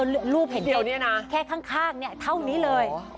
เออรูปเห็นแค่ข้างเท่านี้เลย